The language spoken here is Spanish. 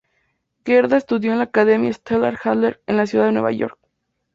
Gerda estudió en la Academia Stella Adler en la ciudad de Nueva York.